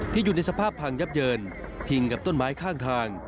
อยู่ในสภาพพังยับเยินพิงกับต้นไม้ข้างทาง